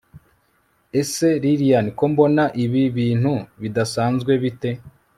ese lilian! ko mbona ibi bintu bidasanzwe bite!